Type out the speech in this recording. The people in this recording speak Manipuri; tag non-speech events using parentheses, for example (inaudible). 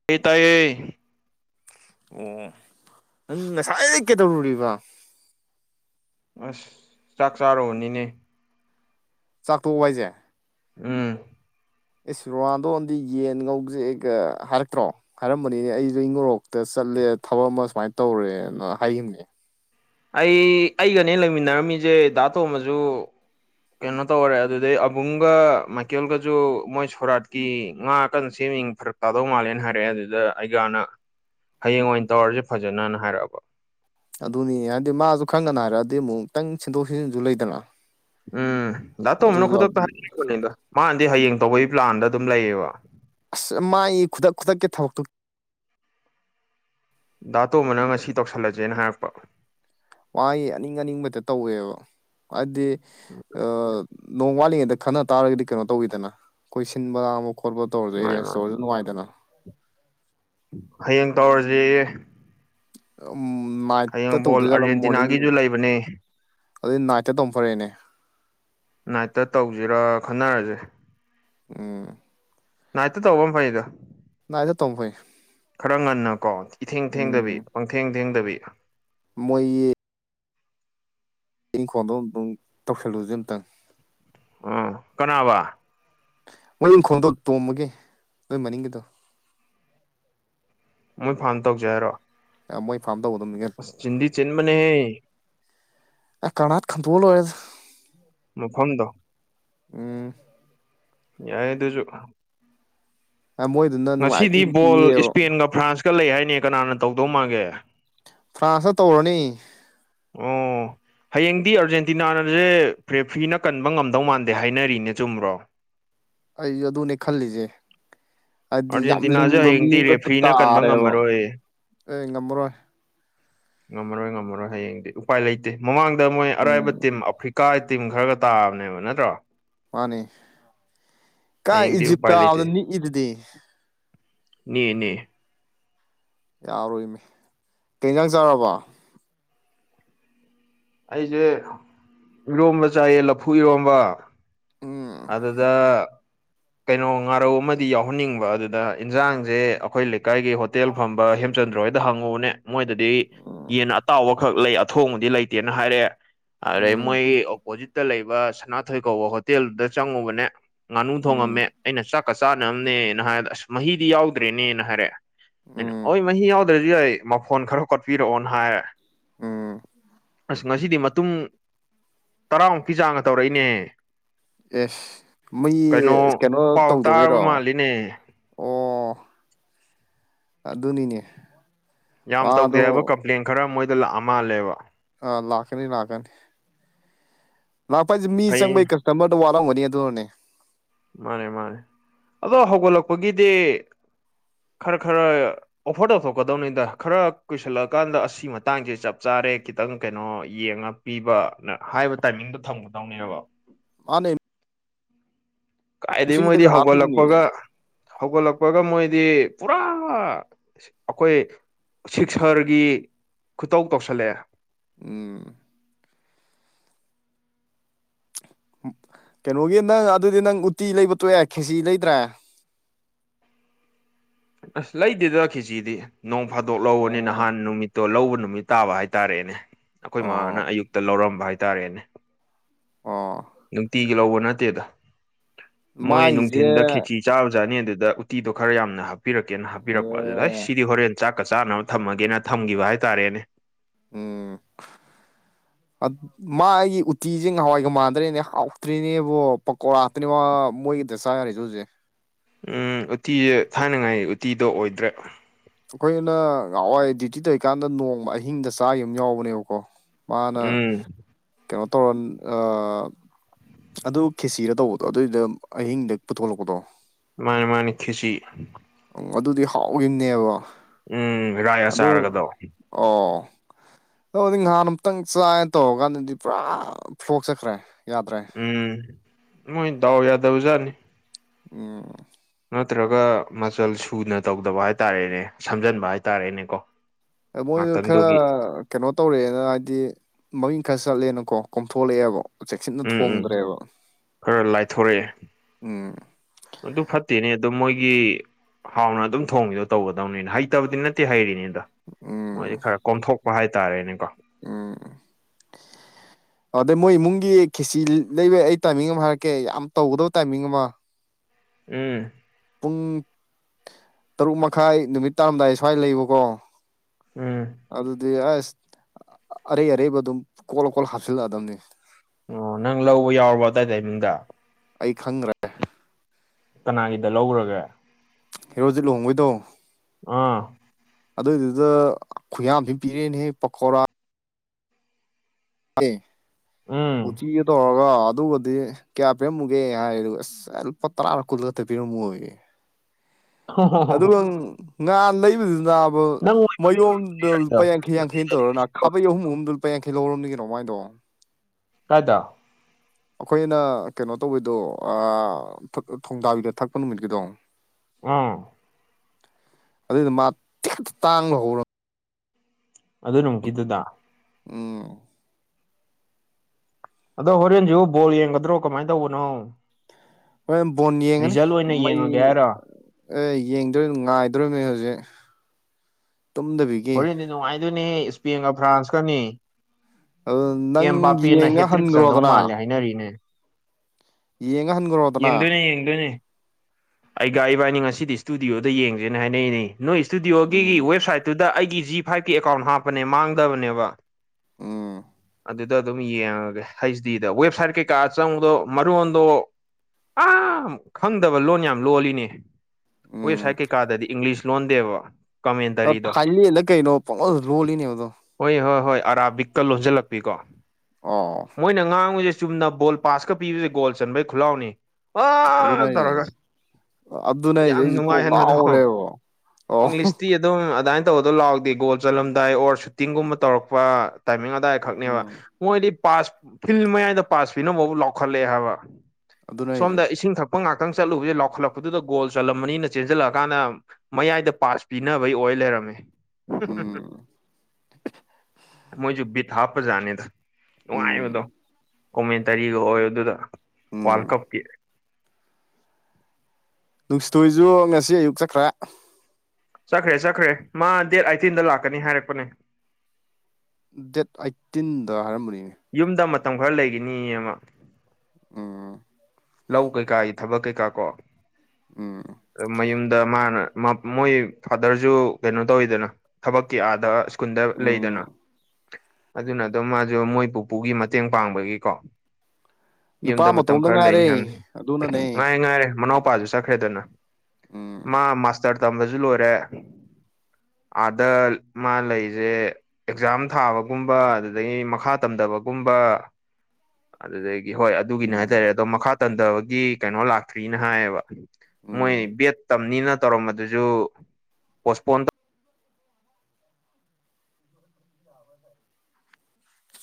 (unintelligible) ꯑꯣ ꯅꯪ ꯉꯁꯥꯏ ꯀꯩꯗꯧꯔꯨꯔꯤꯕ ꯑꯁ ꯆꯥꯛ ꯆꯥꯔꯨꯕꯅꯤꯅꯦ ꯆꯥꯛ ꯇꫭꯛ ꯑꯥꯕꫭ ꯍꯥꯏꯁꯦ ꯎꯝ ꯑꯦꯁ ꯔꯨꯔꯥꯗꯣꯟꯗꯤ ꯌꯦꯟ ꯉꯧꯁꯦꯒ ꯍꯥꯏꯔꯛꯇ꯭ꯔꯣ ꯍꯥꯏꯔꯝꯕꯅꯤꯅꯦ ꯑꯩ (unintelligible) ꯔꯣꯛꯇ ꯆꯠꯂꯦ ꯊꯕꯛ ꯑꯃ ꯁꯨꯃꯥꯏꯅ ꯇꯧꯔꯦꯅ ꯍꯥꯏꯈꯤꯕꯅꯦ ꯑꯩ ꯑꯩꯒꯅꯦ ꯂꯩꯃꯤꯟꯅꯔꯝꯃꯤꯁꯦ ꯗꯥꯇꯣꯝꯃꯁꯨ ꯀꯩꯅꯣ ꯇꯧꯔꯦ ꯑꯗꯨꯗꯩ ꯑꯕꯨꯡꯒ ꯃꯥꯏꯀꯦꯜꯒꯖ ꯃꯣꯏ ꯁꯣꯔꯥꯠꯀꯤ ꯉꯥ ꯀꯟꯅ ꯁꯦꯝꯃꯤ ꯐꯔꯛ ꯇꯥꯗꯧ ꯃꯥꯜꯂꯦꯅ ꯍꯥꯏꯔꯛꯑꯦ ꯑꯗꯨꯗ ꯑꯩꯒꯅ ꯍꯌꯦꯡ ꯑꯣꯏꯅ ꯇꯧꯔꯁꯦ ꯐꯖꯅꯅ ꯍꯥꯏꯔꯛꯑꯕ ꯑꯗꯨꯅꯤ ꯍꯥꯏꯗꯤ ꯃꯥꯁꯨ ꯈꯪꯒꯅ ꯍꯥꯏꯔꯛꯑꯗꯤ ꯑꯃꯨꯛ ꯈꯤꯇꯪ ꯁꯤꯟꯗꯣꯛ ꯁꯤꯖꯤꯟꯁꯨ ꯂꯩꯗꯅ ꯎꯝ ꯗꯥ ꯇꯣꯝꯕꯅ ꯑꯗꯨꯁꯨ ꯈꯨꯗꯛꯇ ꯍꯥꯏꯕꯅꯤꯗ ꯃꯥꯅꯗꯤ ꯍꯌꯦꯡ ꯇꯧꯕꯒꯤ ꯄ꯭ꯂꯥꯟꯗ ꯑꯗꯨꯝ ꯂꯩꯌꯦꯕ ꯑꯁ ꯃꯥꯥꯏ ꯈꯨꯗꯛ ꯈꯨꯗꯛꯀꯤ ꯊꯕꯛꯇꯨ ꯗꯥꯇꯣꯝꯕꯅ ꯉꯁꯤ ꯇꯧꯁꯜꯂꯁꯦꯅ ꯍꯥꯏꯔꯛꯄ ꯋꯥꯩ ꯑꯅꯤꯡ ꯑꯅꯤꯡꯕꯇ ꯇꯧꯋꯦꯕ ꯍꯥꯏꯗꯤ ꯑꯥ ꯅꯣꯡ ꯋꯥꯠꯂꯤꯉꯩꯗ ꯈꯟꯅ ꯇꯥꯔꯒꯗꯤ ꯀꯩꯅꯣ ꯇꯧꯋꯤꯗꯅ ꯑꯩꯈꯣꯏ ꯁꯤꯟꯕꯥ ꯂꯥꯡꯕ ꯈꯣꯠꯄꯣ ꯇꯧꯔꯁꯨ ꯃꯥꯅꯦ ꯑꯦꯔꯦꯟꯖ ꯃꯥꯅꯦ ꯇꯧꯔꯁꯨ ꯅꯨꯡꯉꯥꯏꯗꯅ ꯍꯌꯦꯡ ꯇꯧꯔꯁ (unintelligible) (unintelligible) ꯍꯌꯦꯡ ꯕꯣꯜ ꯇꯧꯗꯣꯏꯖꯠꯂꯣ ꯃꯣꯔꯅꯤꯡ ꯑꯥꯔꯖꯦꯟꯇꯤꯅꯥꯒꯤꯁꯨ ꯂꯩꯕꯅꯦ ꯑꯗꯨ ꯅꯥꯏꯠꯇ ꯇꯝ ꯐꯔꯦꯅꯦ ꯅꯥꯏꯠꯇ ꯇꯧꯁꯤꯔꯥ ꯈꯟꯅꯔꯁꯦ ꯎꯝ ꯅꯥꯏꯠꯇ ꯇꯧꯕ ꯑꯃ ꯐꯩꯗ ꯅꯥꯏꯠꯇ ꯇꯧ ꯐꯩ ꯈꯔ ꯉꯟꯅꯀꯣ ꯏꯊꯦꯡ ꯊꯦꯡꯗꯕꯤ ꯎꯝ ꯄꯪꯊꯦꯡ ꯊꯦꯡꯗꯕꯤ ꯃꯣꯏ ꯏꯪꯈꯣꯜꯗꯣꯝ ꯇꯧꯁꯜꯂꯨꯁꯦ ꯑꯃꯝꯇꯪ ꯎꯝ ꯀꯅꯥꯕ ꯃꯡ ꯈꯣꯡꯗꯣꯛ ꯇꯣꯝꯃꯒꯦ ꯅꯣꯏ ꯃꯅꯤꯡꯒꯤꯗꯣ ꯃꯣꯏ (unintelligible) ꯃꯣꯏ (unintelligible) ꯆꯗꯤ ꯆꯟꯃꯅꯦꯍꯦ ꯑꯦ ꯀꯔꯅꯥꯠ (unintelligible) ꯃꯐꯝꯗꯣ ꯎꯝ ꯌꯥꯏ ꯑꯗꯨꯁꯨ ꯑ ꯃꯣꯏ ꯉꯁꯤꯗꯤ ꯕꯣꯜ ꯏꯁꯄꯦꯟꯒ ꯐ꯭ꯔꯥꯟꯁꯀ ꯂꯩ ꯍꯥꯏꯅꯦ ꯀꯅꯥꯅ ꯇꯧꯗꯧ ꯃꯥꯒꯦ ꯐ꯭ꯔꯥꯟꯁꯇ ꯇꯧꯔꯅꯤ ꯑꯣ ꯍꯌꯦꯡꯗꯤ ꯑꯥꯔꯖꯦꯟꯇꯤꯅꯥꯅꯁꯦ ꯐ꯭ꯔꯦꯐꯤꯅ ꯀꯟꯕ ꯉꯝꯗꯧ ꯃꯥꯟꯗꯦ ꯍꯥꯏꯅꯔꯤꯅꯦ ꯆꯨꯝꯕ꯭ꯔꯣ ꯑꯩ ꯑꯗꯨꯅꯦ ꯈꯜꯂꯤꯁꯦ ꯍꯥꯏꯗꯤ ꯌꯥꯝ ꯑꯥꯔꯖꯦꯟꯇꯤꯅꯥꯁꯦ ꯂꯤꯡꯕ ꯃꯤ ꯍꯌꯦꯡꯗꯤ ꯑꯃꯈꯛꯇ ꯔꯦꯐ꯭ꯔꯤꯅ ꯀꯟꯕ ꯇꯥꯔꯦꯕ ꯉꯝꯃꯔꯣꯏ ꯑꯦ ꯉꯝꯃꯔꯣꯏ ꯉꯝꯃꯔꯣꯏ ꯉꯝꯃꯔꯣꯏ ꯍꯌꯦꯡꯗꯤ ꯎꯄꯥꯏ ꯂꯩꯇꯦ ꯃꯃꯥꯡꯗ ꯃꯣꯏ ꯑꯔꯥꯏꯕ ꯎꯝ ꯇꯤꯝ ꯑꯐ꯭ꯔꯤꯀꯥ ꯇꯤꯝ ꯈꯔꯒ ꯇꯥꯕꯅꯦꯕ ꯅꯠꯇ꯭ꯔꯣ ꯃꯥꯅꯦ ꯀꯥꯏ ꯍꯌꯦꯡꯗꯤ ꯎꯄꯥꯏ ꯏꯖꯤꯞꯇꯥꯅ ꯂꯩꯇꯦ ꯅꯤꯛꯏꯗꯨꯗꯤ (unintelligible) ꯌꯥꯔꯣꯏꯃꯦ ꯇꯤꯟꯖꯥꯡ ꯆꯥꯔꯕ ꯑꯩꯁꯦ ꯏꯔꯣꯝꯕ ꯆꯥꯏꯌꯦ ꯂꯐꯨ ꯏꯔꯣꯝꯕ ꯎꯝ ꯑꯗꯨꯗ ꯀꯩꯅꯣ ꯉꯥꯔꯧ ꯑꯃꯗꯤ ꯌꯥꯎꯍꯟꯅꯤꯡꯕ ꯑꯗꯨꯗ ꯏꯟꯁꯥꯡꯁꯦ ꯑꯩꯈꯣꯏ ꯂꯩꯀꯥꯏꯒꯤ ꯍꯣꯇꯦꯜ ꯐꯝꯕ ꯍꯦꯝꯆꯟꯗ꯭ꯔ ꯍꯣꯏꯗ ꯍꯪꯉꯨꯅꯦ ꯃꯣꯏꯗꯗꯤ ꯎꯝ ꯌꯦꯟꯅ ꯑꯇꯥꯎꯕꯈꯛ ꯂꯩ ꯑꯊꯣꯡꯕꯗꯤ ꯂꯩꯇ ꯇꯅ ꯍꯥꯏꯔꯦ ꯎꯝ ꯑꯗꯩ ꯃꯣꯏꯒꯤ ꯑꯣꯄꯣꯖꯤꯠ ꯇ ꯂꯩꯕ ꯁꯅꯥꯊꯣꯏ ꯀꯧꯕ ꯍꯣꯇꯦꯜꯗꯨꯗ ꯆꯪꯉꯨꯕꯅꯦ ꯉꯥꯅꯨ ꯎꯝ ꯊꯣꯡꯉꯝꯃꯦ ꯑꯩꯅ ꯆ ꯀ ꯆꯥꯅꯕꯅꯦꯅ ꯍꯥꯏ ꯑꯁ ꯃꯍꯤꯗꯤ ꯌꯥꯎꯗ꯭ꯔꯦꯅꯦꯅ ꯍꯥꯏꯔꯦ ꯍꯥꯏ ꯎꯝ ꯍ ꯃꯍꯤ ꯌꯥꯎꯗ꯭ꯔꯁꯨ ꯌꯥꯏ ꯃꯐꯣꯟ ꯈꯔ ꯀꯣꯠꯄꯤꯔꯛꯑꯣꯅ ꯍꯥꯏꯔꯦ ꯎꯝ ꯑꯁ ꯉꯁꯤꯗꯤ ꯃꯇꯨꯝ ꯇꯔꯥꯃꯨꯛꯀꯤ ꯆꯥꯡꯒ ꯇꯧꯔꯛꯏꯅꯦ꯫ ꯑꯦꯁ ꯃꯩ ꯀꯩꯅꯣ ꯄꯥꯎ ꯇꯧꯗꯧꯕꯩꯔꯣ ꯇꯥꯔꯕ ꯑꯣ ꯃꯥꯜꯂꯤꯅꯦ ꯑꯗꯨꯅꯤꯅꯦ ꯌꯥꯝ ꯇꯧꯗꯦ ꯍꯥꯏꯕ ꯃꯥꯗꯣ ꯀꯝꯄ꯭ꯂꯦꯟ ꯈꯔ ꯃꯣꯏꯗ ꯂꯥꯛꯑ ꯃꯥꯜꯂꯦꯕ ꯂꯥꯛꯀꯅꯤ ꯂꯥꯛꯀꯅꯤ ꯂꯥꯛꯄ ꯍꯥꯏꯁꯦ ꯃꯤ ꯐꯩꯅꯦ ꯆꯪꯕꯒꯤ ꯀꯁꯇꯃꯗꯣ ꯋꯥꯠꯂꯝꯒꯅꯤ ꯑꯗꯨꯅꯅꯦ ꯃꯥꯅꯦ ꯃꯥꯅꯦ ꯑꯗꯣ ꯍꯧꯒꯠꯂꯛꯄꯒꯤꯗꯤ ꯈꯔ ꯈꯔ ꯑꯣꯐꯔ ꯇꯧꯊꯣꯛꯀꯗꯧꯅꯤꯗ ꯈꯔ ꯀꯨꯏꯁꯜꯂꯛꯑꯀꯥꯟꯗ ꯑꯁꯤ ꯃꯇꯥꯡꯁꯦ ꯆꯞ ꯆꯥꯔꯦ ꯈꯤꯇꯪ ꯀꯩꯅꯣ ꯌꯦꯡꯉ ꯄꯤꯕꯅ ꯍꯥꯏꯕ ꯇꯥꯏꯃꯤꯡꯗꯣ ꯊꯝꯒꯗꯧꯅꯦꯕ ꯃꯥꯅꯦ ꯀꯥꯏꯗꯦ ꯃꯣꯏꯗꯤ ꯐ꯭ꯔꯤꯗꯒ ꯍꯧꯒꯠꯂꯛꯄꯒ ꯍꯥꯞꯄꯤꯝꯅꯤ ꯍꯧꯒꯠꯂꯛꯄꯒ ꯃꯣꯏꯗꯤ ꯄꯨꯔꯥ ꯑꯈꯣꯏ ꯁꯤꯛꯁꯔꯒꯤ ꯈꯨꯇꯧ ꯇꯧꯁꯜꯂꯛꯑꯦ ꯎꯝ ꯀꯩꯅꯣꯒꯤ ꯅꯪ ꯑꯗꯨꯗꯤ ꯅꯪ ꯎꯇꯤ ꯂꯩꯕ ꯇꯣꯛꯑꯦ ꯈꯦꯆꯤ ꯂꯩꯗ꯭ꯔꯦ꯫ ꯑꯁ ꯂꯩꯗꯦꯗ ꯀꯦꯆꯤꯗꯤ ꯅꯣꯡ ꯐꯥꯗꯣꯛ ꯂꯧꯕꯅꯤꯅ꯫ ꯑꯣ ꯅꯍꯥꯟ ꯅꯨꯃꯤꯠꯇꯣ ꯂꯧꯕ ꯅꯨꯃꯤꯠ ꯇꯥꯕ ꯍꯥꯏꯇꯥꯔꯦꯅꯦ ꯑꯩꯈꯣꯏ ꯃꯃꯥꯅ ꯑꯣ ꯑꯌꯨꯛꯇ ꯂꯧꯔꯝꯕ ꯍꯥꯏꯇꯥꯔꯦꯅꯦ꯫ ꯑꯣ ꯅꯨꯡꯇꯤꯒꯤ ꯂꯧꯕ ꯅꯠꯇꯦꯗ ꯃꯣꯏ ꯃꯥꯒꯤꯁꯦ ꯅꯨꯡꯊꯤꯟꯗ ꯈꯦꯆꯤ ꯆꯥꯕꯖꯥꯅꯤ ꯑꯗꯨꯗ ꯎꯇꯤꯗꯣ ꯈꯔ ꯌꯥꯝꯅ ꯍꯥꯞꯄꯤꯔꯛꯀꯦꯅ ꯍꯥꯞꯄꯤꯔꯛꯄ ꯑꯗꯨꯗ ꯑꯁ ꯑꯣ ꯁꯤꯗꯤ ꯍꯣꯔꯦꯟ ꯆꯥꯛ ꯀ ꯆꯥꯅꯕ ꯊꯝꯃꯒꯦꯅ ꯊꯝꯒꯤꯕ ꯍꯥꯏꯇꯥꯔꯦꯅꯦ꯫ (inaudible) ꯑ ꯃꯥꯏꯒꯤ ꯎꯇꯤꯖꯦ ꯉꯍꯋꯥꯏꯒ ꯃꯥꯟꯗ꯭ꯔꯦꯅꯦ ꯍꯥꯎꯇ꯭ꯔꯤꯅꯦꯕꯣ ꯄꯀꯧꯔꯥꯛꯇ꯭ꯔꯤ ꯃꯥ ꯃꯣꯏ (unintelligible) ꯎꯝ ꯎꯇꯤꯁꯦ ꯊꯥꯏꯅꯉꯥꯏ ꯎꯇꯤꯗꯣ ꯑꯣꯏꯗ꯭ꯔꯦ꯫ ꯑꯈꯣꯏꯅ ꯉꯍꯋꯥꯏ ꯗ꯭ꯌꯨꯇꯤ ꯇꯧꯔꯤꯀꯥꯟꯗ ꯅꯣꯡ ꯑꯍꯤꯡꯗ ꯆꯥꯒꯤ ꯑꯃ ꯌꯥꯎꯕꯅꯦꯕꯀꯣ ꯃꯥꯅ ꯎꯝ ꯀꯩꯅꯣ ꯇꯧꯔ ꯑꯥ ꯑꯗꯨ ꯈꯦꯆꯤꯔ ꯇꯧꯕꯗꯣ ꯑꯗꯨꯏꯗ ꯑꯍꯤꯡꯗ ꯄꯨꯊꯣꯛꯂꯛꯄꯗꯣ? ꯃꯥꯅꯤ ꯃꯥꯅꯤ ꯈꯦꯆꯤ ꯑꯣ ꯑꯗꯨꯗꯤ ꯍꯥꯎꯈꯤꯕꯅꯦꯕ ꯎꯝ ꯔꯥꯏ ꯑꯗꯨ ꯑꯆꯥꯔꯒꯗꯣ ꯑꯣ ꯇꯧꯗꯤ ꯅꯍꯥꯟ ꯑꯃꯨꯛꯇꯪ ꯆꯥꯏꯅ ꯇꯧꯔꯀꯥꯟꯗꯗꯤ ꯄꯨꯔꯥ ꯐ꯭ꯂꯣꯛ ꯆꯠꯈ꯭ꯔꯦ ꯌꯥꯗ꯭ꯔꯦ ꯎꯝ ꯃꯣꯏ ꯗꯥꯎ ꯌꯥꯗꯕꯖꯥꯠꯅꯤ꯫ ꯎꯝ ꯅꯠꯇ꯭ꯔꯒ ꯃꯆꯜ ꯁꯨꯅ ꯇꯧꯗꯕ ꯍꯥꯏꯇꯥꯔꯦꯅꯦ ꯁꯝꯖꯟꯕ ꯍꯥꯏꯇꯥꯔꯦꯅꯦ ꯀꯣ꯫ ꯑꯩꯈꯣꯏꯗꯣ ꯈꯔꯥ ꯀꯩꯅꯣ ꯇꯧꯔꯛꯑꯦꯅ ꯍꯥꯏꯗꯤ ꯃꯃꯤꯡ ꯈꯔ ꯆꯠꯂꯦꯅꯀꯣ ꯀꯣꯝꯊꯣꯂꯛꯑꯦꯕ꯫ ꯆꯦꯛꯁꯤꯟꯅ ꯎꯝ ꯎꯝ ꯊꯣꯡꯗ꯭ꯔꯦꯕ ꯈꯔ ꯂꯥꯏꯊꯣꯔꯛꯑꯦ ꯎꯝ꯫ ꯑꯗꯨ ꯐꯠꯇꯦꯅꯦ ꯑꯗꯨ ꯃꯣꯏꯒꯤ ꯍꯥꯎꯅ ꯑꯗꯨꯝ ꯊꯣꯡꯕꯤꯗꯣ ꯇꯧꯒꯗꯕꯅꯤꯅꯦ ꯍꯩꯇꯕꯗꯤ ꯅꯠꯇꯦ ꯍꯩꯔꯤꯅꯤ꯫ ꯑ ꯎꯝ ꯃꯣꯏꯁꯦ ꯈꯔ ꯀꯣꯝꯊꯣꯛꯄ ꯍꯥꯏꯇꯥꯔꯦꯅꯦꯀꯣ ꯎꯝ (inaudible) ꯑꯗꯩ ꯃꯣꯏ ꯏꯃꯨꯡꯒꯤ ꯈꯦꯆꯤ ꯂꯩꯕꯦꯛ ꯑꯩ ꯇꯥꯏꯃꯤꯡ ꯑꯃ ꯍꯥꯏꯔꯛꯀꯦ ꯌꯥꯝ ꯇꯧꯒꯗꯕ ꯇꯥꯏꯃꯤꯡ ꯑꯃ ꯎꯝ ꯄꯨꯡ ꯇꯔꯨꯛ ꯃꯈꯥꯏ ꯅꯨꯃꯤꯠ ꯇꯥꯔꯝꯗꯥꯏ ꯁ꯭ꯋꯥꯏ ꯂꯩꯑꯣꯕꯀꯣ ꯎꯝ ꯑꯗꯨꯗꯤ ꯑꯁ ꯑꯔꯩ ꯑꯔꯩꯕ ꯑꯗꯨꯝ ꯀꯣꯠꯂ - ꯀꯣꯠꯂ ꯍꯥꯞꯆꯤꯜꯂꯛꯑꯗꯕꯅꯤ꯫ ꯑꯣ ꯅꯪ ꯂꯧꯕ ꯌꯥꯎꯔꯕ ꯑꯗꯨꯋꯥꯏ ꯏꯃꯨꯡꯗ? ꯑꯩ ꯈꯪꯗ꯭ꯔꯦ ꯀꯅꯥꯒꯤꯗ ꯂꯧꯔꯒ ꯍꯦ ꯔꯣꯖꯤꯠ ꯂꯨꯍꯣꯡꯕꯩꯗꯣ ꯑꯥ ꯑꯗꯨꯏꯗꯨꯗ ꯈꯨꯌꯥꯝꯊꯤ ꯄꯤꯔꯛꯑꯦꯅꯦ ꯄꯀꯧꯔꯥ ꯎꯝ ꯎꯇꯤꯒ ꯇꯧꯔꯒ ꯑꯗꯨꯒꯗꯤ ꯀꯌꯥ ꯄꯤꯔꯝꯃꯨꯒꯦ ꯍꯥꯏꫪꯦ ꯑꯁ ꯁꯦꯜ ꯂꯨꯄꯥ ꯇꯔꯥꯔ ꯀꯨꯜꯂ ꯈꯛꯇ ꯄꯤꯔꯝꯃꯣꯌꯦ ꯑꯗꯨꯒ ꯉꯥꯟ ꯂꯩꯕꯗꯨ ꯅꯪ ꯃꯌꯣꯝꯗ ꯑꯣꯏꯔꯤꯗꯣ ꯂꯨꯄꯥ ꯌꯥꯡꯈꯩ ꯌꯥꯡꯈꯩꯩꯅ ꯇꯧꯔꯅ ꯈꯥꯕꯩ ꯑꯍꯨꯝ ꯑꯍꯨꯝꯗ ꯂꯨꯄꯥ ꯌꯥꯡꯈꯩ ꯂꯧꯔꯝꯅꯤꯅ ꯅꯣꯡꯃꯥꯏꯗꯣ ꯀꯗ ꯑꯩꯈꯣꯏꯅ ꯀꯩꯅꯣ ꯇꯧꯕꯗꯣ ꯊꯣꯡꯗꯥꯕꯤꯗ ꯊꯛꯄ ꯅꯨꯃꯤꯠꯀꯤꯗꯣ ꯑꯥ ꯑꯗꯨꯏꯅ ꯃꯥ ꯇꯦꯛꯇ ꯇꯥꯡꯂꯅ ꯍꯧꯔ ꯑꯗꯨ ꯅꯨꯃꯤꯠꯀꯤꯗꯨꯗ ꯎꯝ ꯑꯗꯣ ꯍꯣꯔꯦꯟꯖꯨ ꯕꯣꯜ ꯌꯦꯡꯒꯗ꯭ꯔꯣ ꯀꯃꯥꯏꯅ ꯇꯧꯕꯅꯣ ꯍꯣꯏ ꯕꯣꯟ ꯌꯦꯡꯒꯅꯤ ꯔꯤꯖꯜ ꯑꯣꯏꯅ ꯃꯩ ꯌꯦꯡꯉꯒꯦ ꯍꯥꯏꯔꯣ ꯑꯦ ꯌꯦꯡꯗꯣ ꯉꯥꯏꯗꯧꯔꯤꯕꯅꯦ ꯍꯧꯖꯤꯛ ꯇꯨꯝꯗꯕꯤ ꯍꯣꯔꯦꯟꯅꯦ ꯅꯨꯡꯉꯥꯏꯗꯣꯏꯅꯦ ꯏꯁꯄꯦꯟꯒ ꯐ꯭ꯔꯥꯟꯁꯀꯅꯤ ꯑꯗꯨ ꯑꯦꯝ ꯅꯪ ꯕꯥꯄꯦꯅ ꯌꯦꯡꯉ ꯍꯦꯇ꯭ꯔꯤꯛ ꯆꯥꯟꯗꯧ ꯍꯟꯈ꯭ꯔꯣꯗꯅ ꯃꯥꯜꯂꯦ ꯍꯥꯏꯅꯔꯤꯅꯦ ꯌꯦꯡꯉꯍꯟꯈ꯭ꯔꯣꯗꯅ ꯌꯦꯡꯗꯣꯅꯤ ꯑꯩ ꯒ ꯏꯕꯥꯅꯤ ꯉꯁꯤꯗꯤ ꯏꯁꯇꯨꯗꯤꯑꯣꯗ ꯌꯦꯡꯁꯦꯅ ꯍꯥꯏꯅꯩꯅꯦ ꯅꯣꯏ ꯏꯁꯇꯨꯗꯤꯑꯣꯒꯤ ꯎꯝ ꯋꯦꯕꯁꯥꯏꯠꯇꯨꯗ ꯑꯩꯒꯤ ꯖꯤ ꯐꯥꯏꯚꯀꯤ ꯑꯦꯀꯥꯎꯟ ꯍꯥꯞꯄꯅꯦ ꯃꯥꯡꯗꯕꯅꯦꯕ ꯑꯣ ꯑꯗꯨꯗ ꯑꯗꯨꯝ ꯌꯦꯡꯉꯒꯦ ꯍꯩꯆ ꯗꯤꯗ ꯋꯦꯕꯁꯥꯏꯠ ꯀꯩꯀꯥ ꯆꯪꯕꯨꯗꯣ ꯃꯔꯣꯟꯗꯣ ꯑ ꯈꯪꯗꯕ ꯂꯣꯟ ꯌꯥꯝ ꯂꯣꯜꯂꯤꯅꯦ ꯎꯝ ꯋꯦꯕꯁꯥꯏꯠ ꯀꯩꯀꯥꯗꯗꯤ ꯏꯪꯂꯤꯁ ꯂꯣꯟꯗꯦꯕ ꯀꯃꯦꯟꯇꯔꯤꯗꯣ ꯊꯥꯏꯂꯦꯟꯂ ꯀꯩꯅꯣ ꯄꯪ ꯂꯣꯜꯗ ꯂꯣꯜꯂꯤꯅꯦ ꯃꯗꯣ ꯍꯣꯏ ꯍꯣꯏ ꯍꯣꯏ ꯑꯔꯥꯕꯤꯛꯀ ꯂꯣꯟꯖꯜꯂꯛꯄꯤꯀꯣ ꯑꯣ ꯃꯣꯏꯅ ꯉꯥꯡꯕꯁꯦ ꯆꯨꯝꯅ ꯕꯣꯜ ꯄꯥꯁꯀ ꯄꯤꯕꯁꯦ ꯒꯣꯜ ꯆꯟꯕꯒꯤ ꯈꯨꯠꯂꯥꯎꯅꯤ ꯑ ꯑꯗꯨꯅ ꯑꯩꯁꯦ ꯇꯧꯔꯒ ꯑꯗꯨꯅ ꯑꯩꯁꯦ ꯌꯥꯝ ꯑꯩꯁꯦ ꯅꯨꯡꯉꯥꯏ ꯀꯣꯛ ꯍꯥꯏꯕꯗꯣ ꯉꯥꯎꯔꯦꯕ ꯑꯣ ꯏꯪꯂꯤꯁꯇꯤ ꯑꯗꯨꯝ ꯑꯗꯨꯃꯥꯏꯅ ꯇꯧꯕꯗꯣ ꯂꯥꯎꯗꯦ ꯒꯣꯜ ꯆꯠꯂꯝꯗꯥꯏ ꯑꯣꯔ ꯁꯨꯇꯤꯡꯒꯨꯝꯕ ꯇꯧꯔꯛꯄ ꯇꯥꯏꯃꯤꯡ ꯑꯗꯥꯏ ꯈꯛꯅꯦꯕ ꯎꯝ ꯃꯣꯏꯗꯤ ꯄꯥꯁ ꯐꯤꯜ ꯃꯌꯥꯏꯗ ꯄꯥꯁ ꯄꯤꯅꯕ ꯐꯕꯨ ꯂꯥꯎꯈꯠꯂꯛꯑꯦ ꯍꯥꯏꯕ ꯑꯗꯨꯅ ꯑꯩꯁꯦ ꯁꯣꯝꯗ ꯏꯁꯤꯡ ꯊꯛꯄ ꯉꯥꯛꯇꯪ ꯆꯠꯂꯨꯖꯤꯗ ꯂꯥꯎ ꯂꯥꯎꯈꯠꯂꯛꯄꯗꯨꯗ ꯒꯣꯜ ꯆꯜꯂꯝꯃꯅꯤꯅ ꯆꯦꯟꯁꯤꯜꯂꯛꯑꯀꯥꯟꯗ ꯃꯌꯥꯏꯗ ꯄꯥꯁ ꯄꯤꯅꯕꯩ ꯑꯣꯏ ꯂꯩꯔꯝꯃꯦ ꯎꯝ ꯃꯣꯏꯖꯨ ꯕꯤꯠ ꯍꯥꯞꯄ ꯖꯥꯠꯅꯤꯗ ꯎꯝ ꯅꯨꯡꯉꯥꯏꯕꯗꯣ ꯀꯣꯃꯦꯟꯇꯔꯤꯒ ꯑꯣꯏ ꯑꯗꯨꯗ ꯎꯝ ꯋꯥꯔꯜ ꯀꯞꯀꯤ ꯅꯨꯡꯁꯇꯣꯏꯁꯨ ꯉꯁꯤ ꯑꯌꯨꯛ ꯆꯠꯈ꯭ꯔꯦ ꯆꯠꯈ꯭ꯔꯦ ꯆꯠꯈ꯭ꯔꯦ ꯃꯥ ꯗꯦꯠ ꯑꯥꯏꯇꯤꯟꯗ ꯂꯥꯛꯀꯅꯤ ꯍꯥꯏꯔꯛꯄꯅꯦ ꯗꯦꯠ ꯑꯥꯏꯠꯇꯤꯟꯗ ꯍꯥꯏꯔꯝꯕꯅꯤꯅꯦ ꯌꯨꯝꯗ ꯃꯇꯝ ꯈꯔ ꯂꯩꯒꯅꯤꯌꯦ ꯃꯥ ꯑꯣ ꯂꯧ ꯀꯩꯀꯥꯒꯤ ꯊꯕꯛ ꯀꯩꯀꯥ ꯀꯣ ꯎꯝ ꯃꯌꯨꯝꯗ ꯃꯥꯅ ꯃꯣꯏ ꯐꯥꯗꯔꯁꯨ ꯀꯩꯅꯣ ꯇꯧꯋꯤꯗꯅ ꯊꯕꯛꯀꯤ ꯑꯥꯗ ꯁ꯭ꯀꯨꯜꯗ ꯂꯩꯗꯅ ꯎꯝ ꯑꯗꯨꯅ ꯑꯗꯨꯝ ꯃꯥꯁꯨ ꯃꯣꯏ ꯄꯨꯄꯨꯒꯤ ꯃꯇꯦꯡ ꯄꯥꯡꯕꯒꯤꯀꯣ ꯅꯨꯄꯥ ꯌꯨꯝꯗ ꯃꯇꯝ ꯃꯇꯣꯝꯇ ꯈꯔ ꯉꯥꯏꯔꯦ ꯂꯩꯅꯤ ꯍꯥꯏꯅꯤ ꯑꯗꯨꯅꯅꯦ ꯉꯥꯏꯔꯦ ꯉꯥꯏꯔꯦ ꯃꯅꯥꯎ ꯄꯥꯁꯨ ꯆꯠꯈ꯭ꯔꯦꯗꯅ ꯎꯝ ꯃꯥ ꯃꯥꯁꯇꯔ ꯇꯝꯕꯁꯨ ꯂꯣꯏꯔꯦ ꯑꯥꯗ ꯃꯥ ꯂꯩꯁꯦ ꯑꯦꯛꯖꯥꯝ ꯊꯥꯕꯒꯨꯝꯕ ꯑꯗꯨꯗꯒꯤ ꯃꯈꯥ ꯇꯝꯊꯕꯒꯨꯝꯕ ꯑꯗꯨꯗꯒꯤ ꯍꯣꯏ ꯑꯗꯨꯒꯤꯅꯦ ꯎꯝ ꯍꯥꯏꯇꯥꯔꯦ ꯑꯗꯣ ꯃꯈꯥ ꯇꯟꯊꯕꯒꯤ ꯀꯩꯅꯣ ꯂꯥꯛꯇ꯭ꯔꯤꯅ ꯍꯥꯏꯌꯦꯕ ꯃꯣꯏ ꯎꯝ ꯕꯦꯠ ꯇꯝꯅꯤꯅ ꯇꯧꯔꯝꯕꯗꯨꯁꯨ ꯄꯣꯁꯄꯣꯟ ꯇꯧ